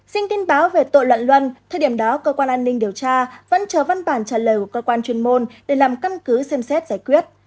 xin tin báo về tội loạn luân thời điểm đó cơ quan an ninh điều tra vẫn chờ văn bản trả lời của cơ quan chuyên môn để làm căn cứ xem xét giải quyết